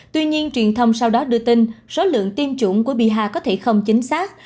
tuy nhiên truyền thông sau đó đưa tin số lượng tiêm chủng của biaha có thể không chính xác